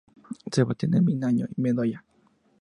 Sebastian de Miñano y Bedoya.